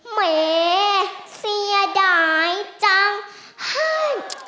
เหมะเสียดายจังเสียดายจัง